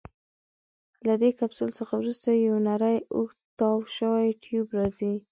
له دې کپسول څخه وروسته یو نیری اوږد تاو شوی ټیوب راځي.